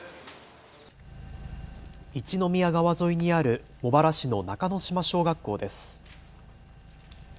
一宮川沿いにある茂原市の中の島小学校です。